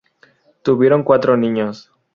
Tuvieron cuatro niños.